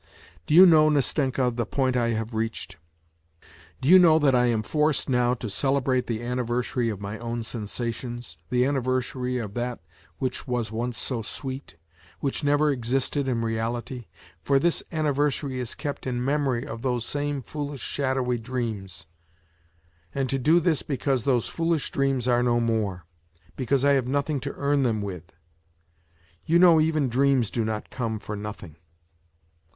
Do you know, Nastenka, the point I have reached ? Do you know that I am forced now to celebrate the anniversary of my own sensations, the anniversary of that which was once so sweet, which never existed in reality for this anniversary is kept in memory of those same foolish, shadowy dreams and to do this because those foolish dreams are no more, because I have nothing to earn them with ; you know even dreams do not come for nothing